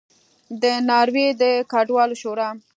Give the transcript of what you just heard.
د ناروې د کډوالو شورا